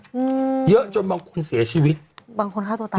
อืมเยอะจนบางคนเสียชีวิตบางคนฆ่าตัวตาย